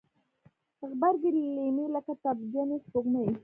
غبرګي لیمې لکه تبجنې سپوږمۍ